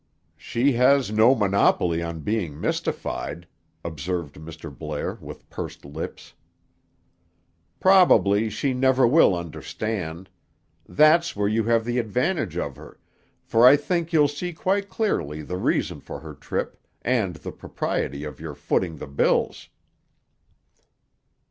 "She has no monopoly on being mystified," observed Mr. Blair, with pursed lips. "Probably she never will understand. That's where you have the advantage of her, for I think you'll see quite clearly the reason for her trip, and the propriety of your footing the bills."